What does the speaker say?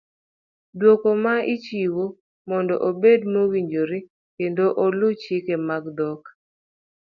Duoko ma ichiwo mondo obed mowinjore kendo olu chike mag dhok.